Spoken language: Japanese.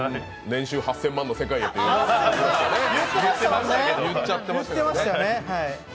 年収８０００万円の世界へというね、言っちゃってましたからね。